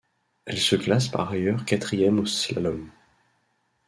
Elle se classe par ailleurs quatrième au slalom.